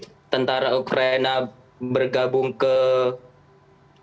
semenjak tentara ukraina bergabung ke bangkut